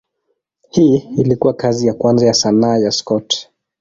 Hii ilikuwa kazi ya kwanza ya sanaa ya Scott.